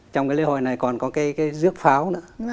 trong cái lễ hội này còn có cái rước pháo nữa